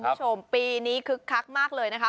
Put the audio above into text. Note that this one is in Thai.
คุณผู้ชมปีนี้คึกคักมากเลยนะคะ